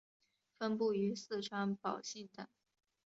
分布于四川宝兴等。